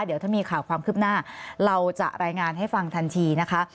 เดี๋ยวถ้ามีข่าวความคืบหน้าเราจะรายงานให้ฟังทันทีนะคะ